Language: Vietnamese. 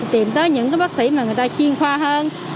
tìm tới những bác sĩ mà người ta chuyên khoa hơn